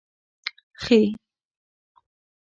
خ